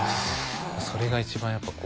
それが一番やっぱこう。